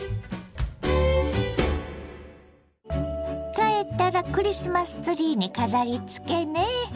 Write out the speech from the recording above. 帰ったらクリスマスツリーに飾りつけね。